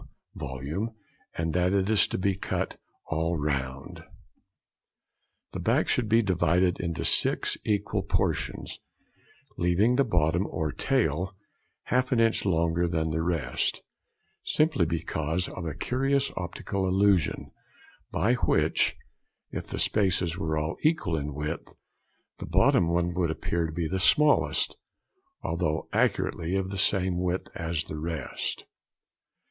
volume, and that it is to be cut all round. The back should be divided into six equal portions, leaving the bottom, or tail, half an inch longer than the rest, simply because of a curious optical illusion, by which, |21| if the spaces were all equal in width, the bottom one would appear to be the smallest, although accurately of the same width as the rest.